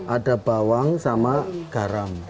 ada bawang sama garam